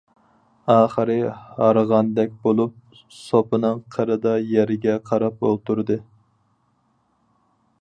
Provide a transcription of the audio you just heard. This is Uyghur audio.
ئاخىرى ھارغاندەك بولۇپ سوپىنىڭ قىرىدا يەرگە قاراپ ئولتۇردى.